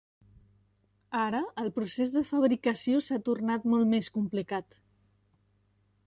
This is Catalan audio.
Ara, el procés de fabricació s'ha tornat molt més complicat.